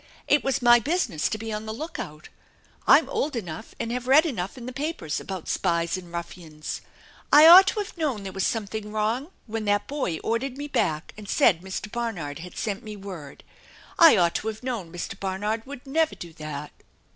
It was my business to be on the lookout! I'm old enough and have read enough in the papers about spies and ruffians. I ought to have known there was something wrong when that boy ordered me back and said Mr. Barnard had sent me word. I ought to have known Mr. Barnard would never do that.